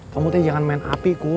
kamu tuh jangan main api kok